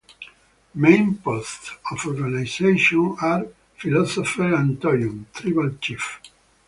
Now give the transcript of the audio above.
Main posts of organization are Philosopher and Toyon (Tribal chief).